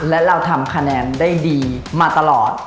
และเราทำคะแนนได้ดีมาตลอด